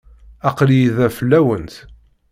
Aql-iyi da fell-awent.